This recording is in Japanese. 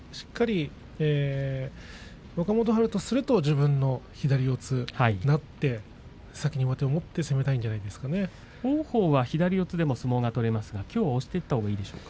しっかり若元春とすると左四つになって先に上手を持って攻めたい王鵬は左四つでも相撲を取れますが押していったほうがいいですか。